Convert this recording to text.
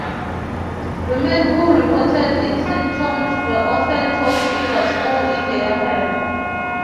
Women who reported its symptoms were often told it was "all in their head".